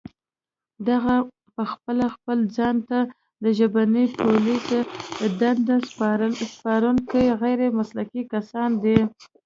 دغه پخپله خپل ځان ته د ژبني پوليسو دنده سپارونکي غير مسلکي کسان دي